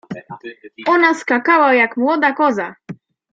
Ona skakała, jak młoda koza.